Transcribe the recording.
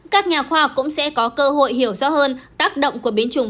các nhà khoa học cũng sẽ có cơ hội hiểu rõ hơn tác động của biến chủng